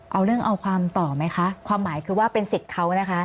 เอาเรื่องเอาความต่อไหมคะความหมายคือว่าเป็นสิทธิ์เขานะคะ